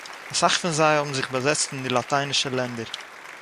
אַסאַך פון זיי האָבן זיך באַזעצט אין די לאַטיינישע לענדער